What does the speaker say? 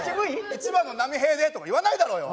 「１番の波平で」とか言わないだろうよ！